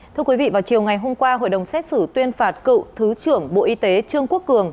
thưa quý vị vào chiều ngày hôm qua hội đồng xét xử tuyên phạt cựu thứ trưởng bộ y tế trương quốc cường